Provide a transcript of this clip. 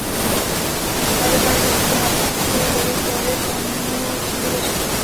তাদের পণের বিশেষ কোনো আবশ্যক ছিল না বলেই বরের পণও ছিল বেশি।